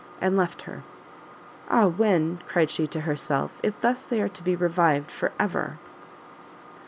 and left her. "Ah when!" cried she to herself, "if thus they are to be revived for ever!"